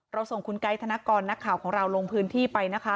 ส่งคุณไกด์ธนกรนักข่าวของเราลงพื้นที่ไปนะคะ